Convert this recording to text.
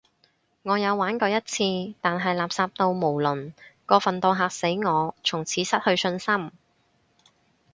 我有玩過一次，但係垃圾到無倫，過份到嚇死我，從此失去信心